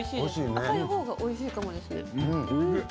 赤いほうがおいしいかも。